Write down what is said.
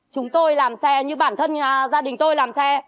chúng tôi làm xe như bản thân gia đình tôi làm xe